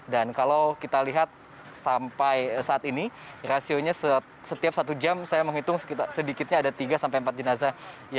kalau kita lihat sampai saat ini rasionya setiap satu jam saya menghitung sedikitnya ada tiga sampai empat jenazah